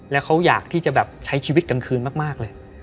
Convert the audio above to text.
แล้วเขาอยากที่จะแบบใช้ชีวิตกลางคืนมากเลย